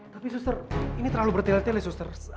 tapi suster ini terlalu bertelit telit suster